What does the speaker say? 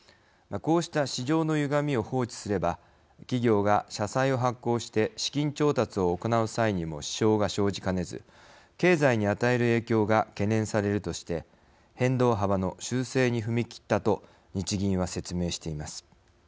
こうした市場のゆがみを放置すれば企業が社債を発行して資金調達を行う際にも支障が生じかねず経済に与える影響が懸念されるとして変動幅の修正に踏み切ったと日銀は説明しています。